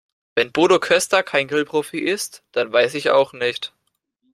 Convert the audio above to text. Wenn Bodo Köster kein Grillprofi ist, dann weiß ich auch nicht.